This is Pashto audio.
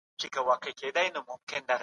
رسول الله صلی الله عليه وسلم فرمايلي دي